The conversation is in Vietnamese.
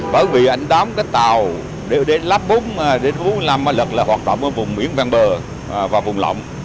bởi vì anh đóng cái tàu để lắp bốn bốn năm lật là hoạt động ở vùng biển vang bờ và vùng lọng